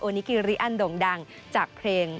นิกิริอันโด่งดังจากเพลง